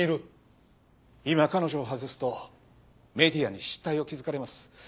今彼女を外すとメディアに失態を気づかれます。